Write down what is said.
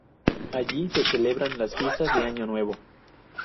Allí se celebraban las fiestas de Año Nuevo.